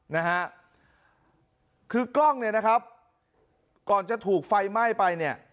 นะฮะคือกล้องเนี่ยนะครับก่อนจะถูกไฟไหม้ไปเนี่ย